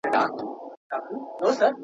را پوره مي د پېړیو د بابا دغه ارمان کې.